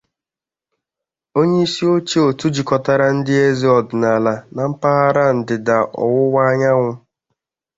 onyeisioche otu jikọtara ndị eze ọdịnala na mpaghara ndịda-ọwụwa anyanwụ